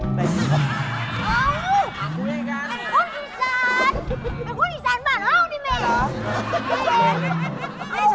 เอ้าเป็นคนอีซานเป็นคนอีซานมาเหล้าดิเม้ย